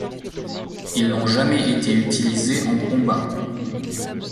Ils n'ont jamais été utilisées en combat.